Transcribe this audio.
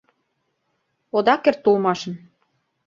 Ода керт улмашын.